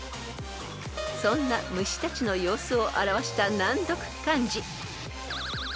［そんな虫たちの様子を表した難読漢字］